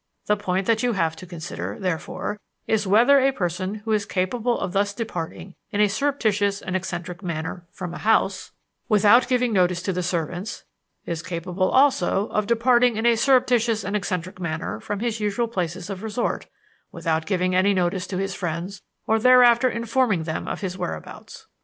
The point that you have to consider, therefore, is whether a person who is capable of thus departing in a surreptitious and eccentric manner from a house, without giving notice to the servants, is capable also of departing in a surreptitious and eccentric manner from his usual places of resort without giving notice to his friends or thereafter informing them of his whereabouts.